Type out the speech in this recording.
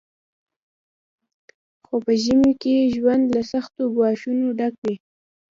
خو په ژمي کې ژوند له سختو ګواښونو ډک وي